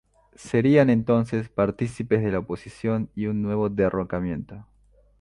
Serían entonces partícipes de la oposición y un nuevo derrocamiento.